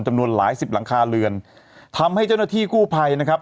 จำนวนหลายสิบหลังคาเรือนทำให้เจ้าหน้าที่กู้ภัยนะครับ